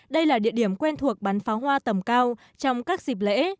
đây là địa điểm quen thuộc bắn pháo hoa tầm cao trong các dịp lễ